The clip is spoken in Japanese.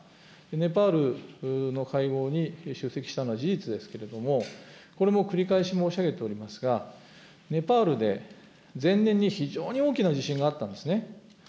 ネパールの会合に出席したのは事実ですけれども、これも繰り返し申し上げておりますが、ネパールで前年に非常に大きな地震があったんですね。